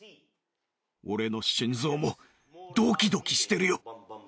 俺の心臓もドキドキしてるよ。